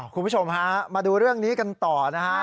คุณผู้ชมฮะมาดูเรื่องนี้กันต่อนะฮะ